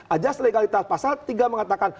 ajas legalitas pasal tiga mengatakan